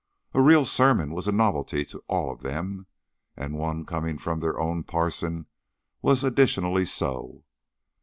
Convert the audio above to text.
A real sermon was a novelty to all of them, and one coming from their own parson was additionally so.